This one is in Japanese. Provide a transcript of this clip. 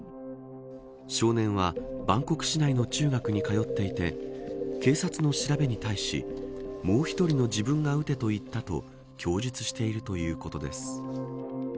少年はバンコク市内の中学に通っていて警察の調べに対しもう一人の自分が撃てと言ったと供述しているということです。